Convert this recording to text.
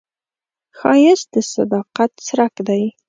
ښایست د صداقت څرک دی